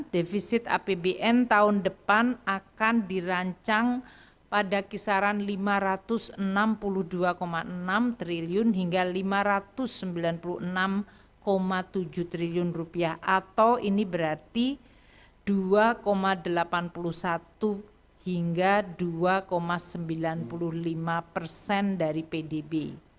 defisit apbn tahun depan akan dirancang pada kisaran rp lima ratus enam puluh dua enam triliun hingga rp lima ratus sembilan puluh enam tujuh triliun atau ini berarti rp dua delapan puluh satu hingga rp dua sembilan puluh lima persen dari pdb